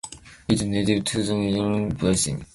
It is native to the Mediterranean Basin.